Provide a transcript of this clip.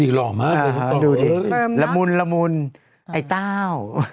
นี่หรอมากดูดิละมุนไอ้เต้า